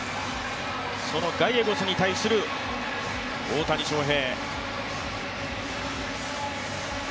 そのガイエゴスに対する大谷翔平。